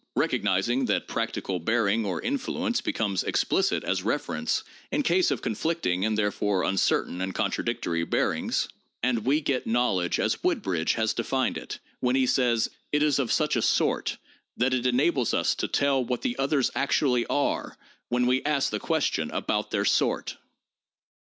Recognize that practical bearing or influence becomes explicit as reference in case of conflicting and therefore uncertain and con tradictory bearings, and we get knowledge as Woodbridge has defined it when he says :" It is of such a sort that it enables us to tell what the others actually are when we ask the question about their sort."